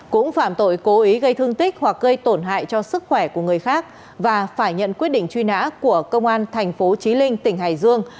cũng phạm tội cố ý gây thương tích hoặc gây tổn hại cho sức khỏe của người khác và phải nhận quyết định truy nã của công an thành phố trí linh tỉnh hải dương